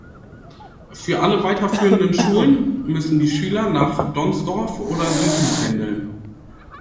Für alle weiterführenden Schulen müssen die Schüler nach Donzdorf oder Süßen pendeln.